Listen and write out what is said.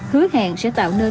hứa hẹn sẽ tạo nên